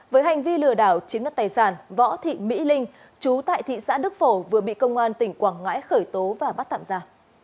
với hành vi lừa đảo chiếm đất tài sản võ thị mỹ linh chú tại thị xã đức phổ vừa bị công an tỉnh quảng ngãi khởi tố và bắt tạm ra